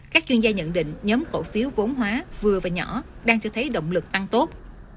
các chuyên gia nhận định nhóm cổ phiếu vốn hóa vừa và nhỏ đang cho thấy động lực tăng tốt